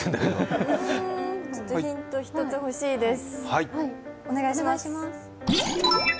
ヒント１つ欲しいです。